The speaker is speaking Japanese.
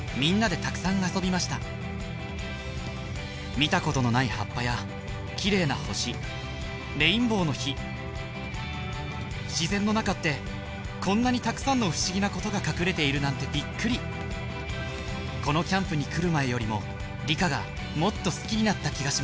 見たことのない葉っぱや綺麗な星レインボーの火自然の中ってこんなにたくさんの不思議なことが隠れているなんてびっくりこのキャンプに来る前よりも理科がもっと好きになった気がします